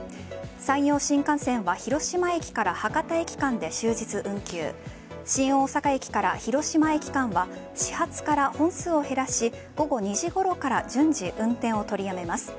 山陽新幹線は広島駅から博多駅間で終日運休新大阪駅から広島駅間は始発から本数を減らし午後２時ごろから順次運転を取りとめます。